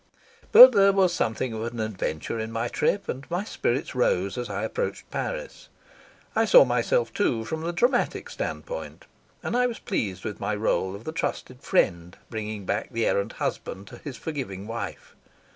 But there was something of an adventure in my trip, and my spirits rose as I approached Paris. I saw myself, too, from the dramatic standpoint, and I was pleased with my role of the trusted friend bringing back the errant husband to his forgiving wife.